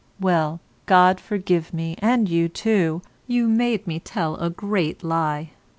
Well, God forgive me, and you too, you made me tell a great lie.